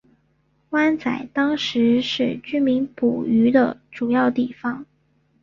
湾仔当时是居民捕鱼的主要地方。